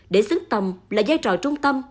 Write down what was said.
để xứng tầm là giai trò trung tâm